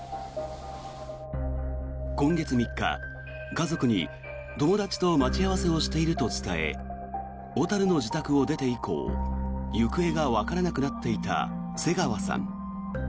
今月３日、家族に友達と待ち合わせをしていると伝え小樽の自宅を出て以降行方がわからなくなっていた瀬川さん。